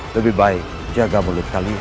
lebih baik jaga mulut kalian